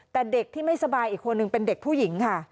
แต่เด็กที่ไม่สบายอีกคนนึงเป็นเด็กผู้หญิงค่ะ